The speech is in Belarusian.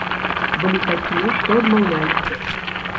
Былі такія, што адмаўляліся.